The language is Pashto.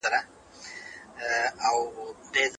ته ولې دومره په غوسه د دفتر لور ته روان وې؟